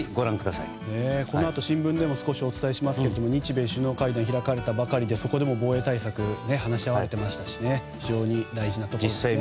このあと新聞でも少しお伝えしますが日米首脳会談が開かれたばかりでそこでも防衛対策話し合われていましたしね非常に大事なことですね。